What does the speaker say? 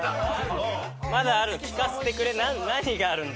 まだある聞かせてくれ何があるんだ？